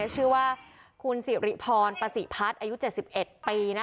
ชื่อว่าคุณศิริพรปศิภัทรอายุ๗๑ปี